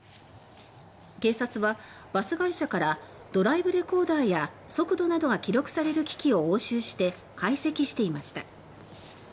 警察はバス会社からドライブレコーダーや速度などが記録される機器を押収して解析していました。